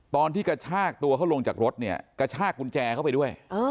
กระชากตัวเขาลงจากรถเนี่ยกระชากกุญแจเข้าไปด้วย